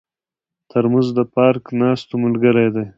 ترموز د پارک ناستو ملګری دی.